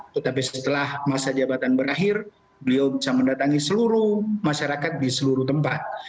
tetapi setelah masa jabatan berakhir beliau bisa mendatangi seluruh masyarakat di seluruh tempat